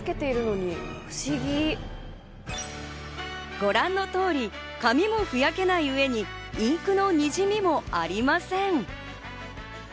ご覧の通り、紙もふやけない上に、インクのにじみもありません。